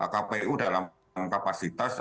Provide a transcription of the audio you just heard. kpu dalam kapasitas